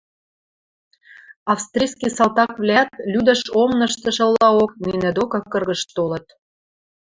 Австрийский салтаквлӓӓт лӱдӹш омыныштышылаок нинӹ докы кыргыж толыт.